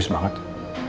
gue mau minta pendapat